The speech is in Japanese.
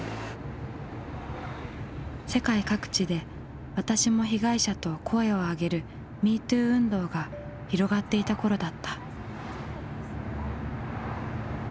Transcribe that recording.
世界各地で「私も被害者」と声をあげるＭｅＴｏｏ運動が広がっていた頃だった。